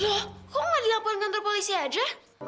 loh kok nggak dilaporkan kantor polisi aja